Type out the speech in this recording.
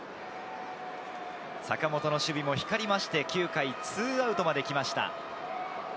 坂本の守備も光りまして９回２アウトまで来ました。